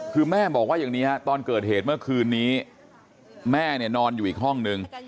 คือแม่บอกว่าอย่างนี้ฮะตอนเกิดเหตุเมื่อคืนนี้แม่เนี่ยนอนอยู่อีกห้องนึง